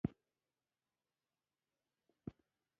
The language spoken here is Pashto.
سیلابونه د افغانستان د فرهنګي فستیوالونو یوه برخه ده.